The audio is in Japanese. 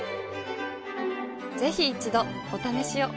ぜひ一度お試しを。